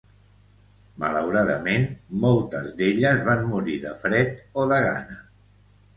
Malauradament, moltes d'elles van morir de fred o de gana.